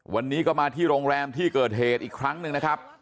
วันนี้ก็มาที่โรงแรมที่เกิดเหตุอีกครั้งหนึ่งนะครับ